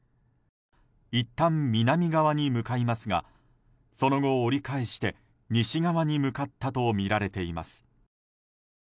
いったん南側に向かいますがその後、折り返して西側に向かったとみられています。